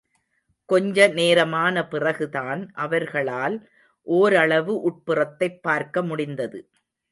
கொஞ்ச நேரமான பிறகு தான் அவர்களால் ஓரளவு உட்புறத்தைப் பார்க்க முடிந்தது.